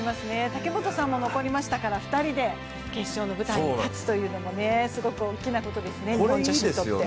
武本さんも残りましたから２人で決勝の舞台に立つのもすごく大きなことですね、日本女子にとって。